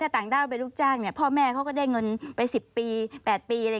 ต่างด้าวเป็นลูกจ้างเนี่ยพ่อแม่เขาก็ได้เงินไป๑๐ปี๘ปีอะไร